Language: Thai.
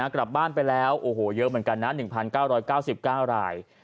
กลับบ้านไปแล้วโอ้โหเยอะเหมือนกันนะ๑๙๙๙ราย